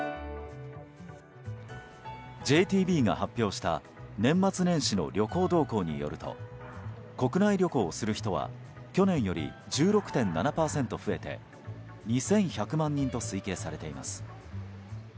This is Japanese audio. ＪＴＢが発表した年末年始の旅行動向によると国内旅行をする人は去年より１６．７％増えて２１００万人と推計されています。